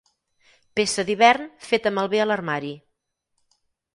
Peça d'hivern feta malbé a l'armari.